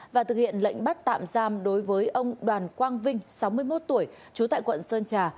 và thực hiện lệnh bắt tạm giam đối với ông đoàn quang vinh sáu mươi một tuổi trú tại quận sơn trà